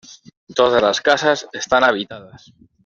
Todas las casas están habitadas.